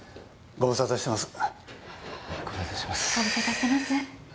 ご無沙汰してます